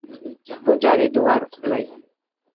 পূজারী, দুয়ার খোলো।